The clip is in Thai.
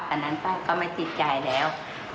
แต่ตั้งจากนั้นก็ไม่ติดใจแล้ว